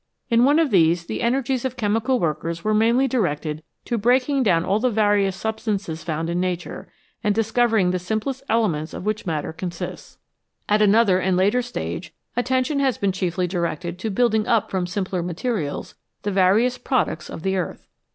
In one of these the energies of chemical workers were mainly directed to breaking down all the various substances found in nature, and discovering the simplest elements of which matter consists. At another and later stage attention has been chiefly directed to building up from simpler materials the various products of the earth.